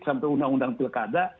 sampai undang undang pilkada